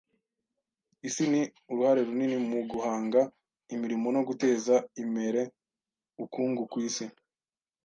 isi ni uruhare runini mu guhanga imirimo no guteza imere uukungu ku isi